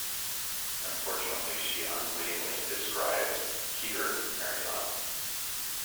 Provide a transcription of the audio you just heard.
Unfortunately, she unwittingly describes "Peter Merriot".